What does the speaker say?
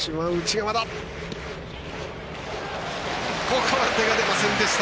ここは手が出ませんでした。